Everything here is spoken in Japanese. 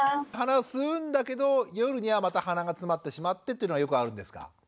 鼻吸うんだけど夜にはまた鼻がつまってしまってというのはよくあるんですか？